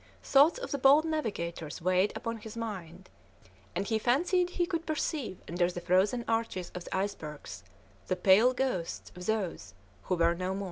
Thoughts of the bold navigators weighed upon his mind, and he fancied he could perceive under the frozen arches of the icebergs the pale ghosts of those who were no more.